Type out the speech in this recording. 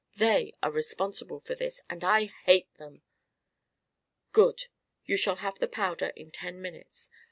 They are responsible for this, and I hate them." "Good! You shall have the powder in ten minutes.